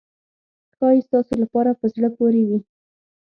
ښایي ستاسو لپاره په زړه پورې وي.